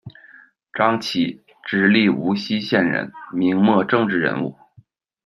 张琦，直隶无锡县人，明末政治人物。